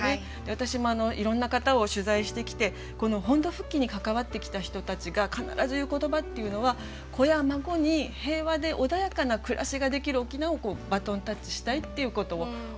私もいろんな方を取材してきてこの本土復帰に関わってきた人たちが必ず言う言葉っていうのは子や孫に平和で穏やかな暮らしができる沖縄をバトンタッチしたいっていうことをおっしゃるんですよね。